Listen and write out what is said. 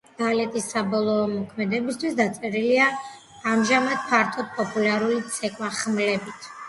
ბალეტის საბოლოო მოქმედებისთვის დაწერილია ამჟამად ფართოდ პოპულარული ცეკვა ხმლებით.